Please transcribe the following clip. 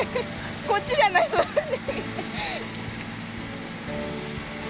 こっちじゃないそっち。